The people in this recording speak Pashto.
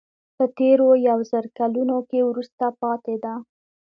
په تېرو یو زر کلونو کې وروسته پاتې ده.